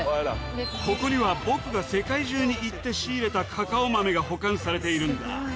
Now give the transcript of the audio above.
ここには僕が世界中に行って仕入れたカカオ豆が保管されているんだ。